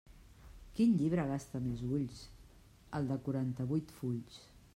Quin llibre gasta més ulls?: el de quaranta-vuit fulls.